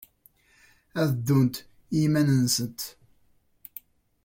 Ad ddunt i yiman-nsent.